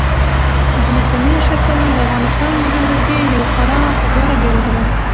ځمکنی شکل د افغانستان د جغرافیې یوه خورا غوره بېلګه ده.